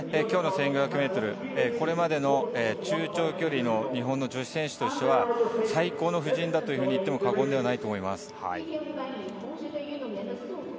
今日の１５００ｍ、これまでの中長距離の日本の女子選手としては最高の布陣だと言っても過言ではないと思います。